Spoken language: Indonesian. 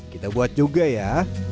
kita buat juga ya